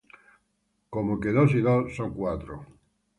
Como que dos y dos son cuatro.